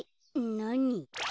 なに？